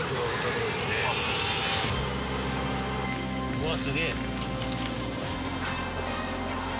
うわすげえ。